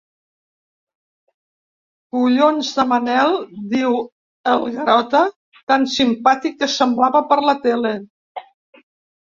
Collons de Manel —diu el Garota—, tan simpàtic que semblava, per la tele!